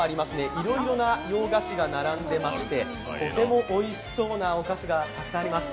いろいろな洋菓子が並んでおりましてとてもおいしそうなお菓子がたくさんあります。